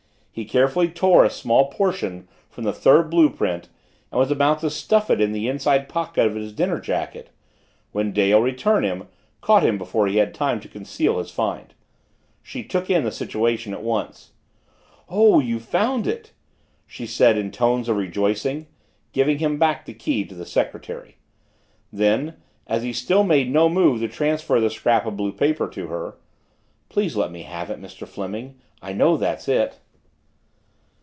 He carefully tore a small portion from the third blue print and was about to stuff it in the inside pocket of his dinner jacket when Dale, returning, caught him before he had time to conceal his find. She took in the situation at once. "Oh, you found it!" she said in tones of rejoicing, giving him back the key to the secretary. Then, as he still made no move to transfer the scrap of blue paper to her, "Please let me have it, Mr. Fleming. I know that's it."